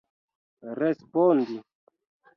respondi